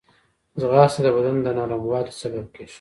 ځغاسته د بدن د نرموالي سبب کېږي